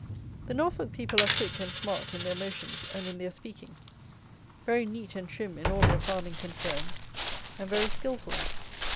The Norfolk people are quick and smart in their motions and in their speaking. Very neat and trim in all their farming concerns, and very skilful.